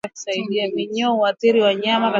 Minyoo huathiri wanyama katika maeneo yote nchini